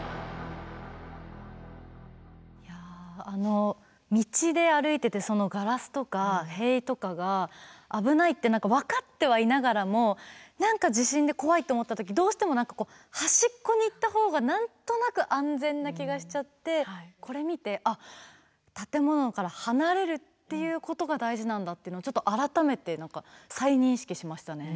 いやあの道で歩いててガラスとか塀とかが危ないって何か分かってはいながらも何か地震で怖いと思った時どうしても何かこう端っこに行った方が何となく安全な気がしちゃってこれ見てあっ建物から離れるっていうことが大事なんだっていうのをちょっと改めて再認識しましたね。